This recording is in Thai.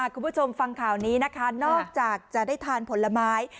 คุณผู้ชมฟังข่าวนี้นะคะนอกจากจะได้ทานผลไม้